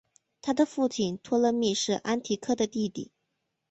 他的父亲托勒密是安提柯的弟弟。